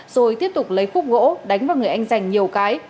rồi tiếp tục lấy khúc gỗ đánh vào người anh dành nhiều cái